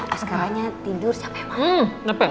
oh iya sekarangnya tidur capek banget